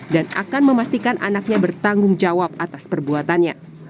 dan akan memastikan anaknya bertanggung jawab atas perbuatannya